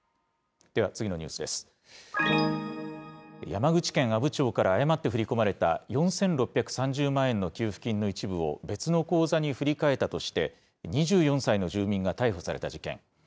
山口県阿武町から誤って振り込まれた４６３０万円の給付金の一部を別の口座に振り替えたとして、２４歳の住民が逮捕された事件。